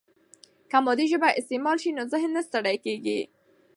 که مادي ژبه استعمال شي، نو ذهن نه ستړی کیږي.